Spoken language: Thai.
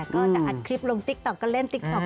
ก็จะอัดคลิปลงติ๊กต๊อกก็เล่นติ๊กต๊อก